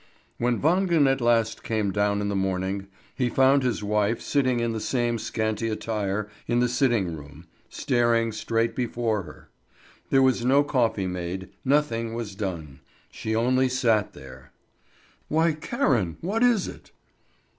When Wangen at last came down in the morning he found his wife sitting in the same scanty attire in the sitting room, staring straight before her. There was no coffee made, nothing was done; she only sat there. "Why, Karen! What is it?"